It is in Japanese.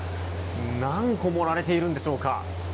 何個盛られているんでしょうか。